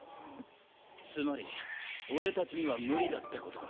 つまり俺たちには無理だってことか。